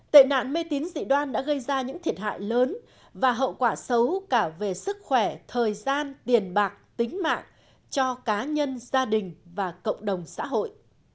tệ nạn mê tín dị đoan đã gây ra những thiệt hại lớn và hậu quả xấu cả về sức khỏe thời gian tiền bạc tính mạng cho cá nhân gia đình và cộng đồng xã hội